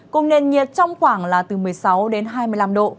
cùng nền nhiệt trong khoảng là từ một mươi sáu đến hai mươi năm độ